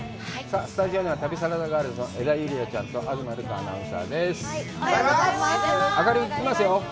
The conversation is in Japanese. スタジオには旅サラダガールズの江田友莉亜ちゃんと東留伽アナウンサーです。